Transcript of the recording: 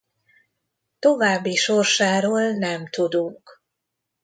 További sorsáról nem tudunk.